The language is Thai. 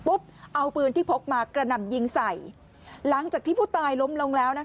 เอาปืนที่พกมากระหน่ำยิงใส่หลังจากที่ผู้ตายล้มลงแล้วนะคะ